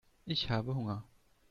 Ich habe Hunger.